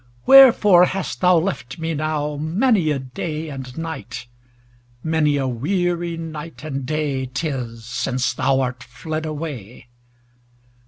Wherefore hast thou left me now Many a day and night? Many a weary night and day 'Tis since thou art fled away.